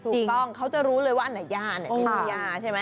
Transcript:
ถูกต้องเขาจะรู้เลยว่าอันไหนหญ้า